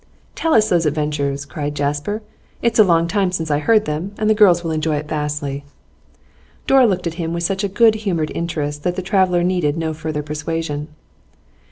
'Tell us those adventures,' cried Jasper. 'It's a long time since I heard them, and the girls will enjoy it vastly.' Dora looked at him with such good humoured interest that the traveller needed no further persuasion.